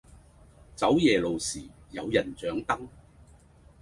走夜路時有人掌燈